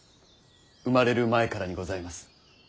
生まれる前からにございます。